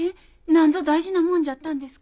何ぞ大事なもんじゃったんですか？